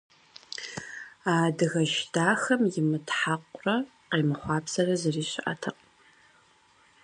А адыгэш дахэм имытхьэкъурэ къемыхъуапсэрэ зыри щыӀэтэкъым.